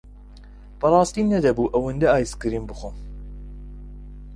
بەڕاستی نەدەبوو ئەوەندە ئایسکرێم بخۆم.